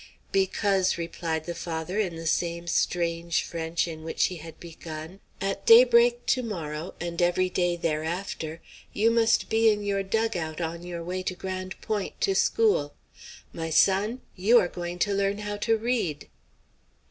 "Because," replied the father in the same strange French in which he had begun, "at daybreak to morrow, and every day thereafter, you must be in your dug out on your way to Grande Pointe, to school. My son, you are going to learn how to read!"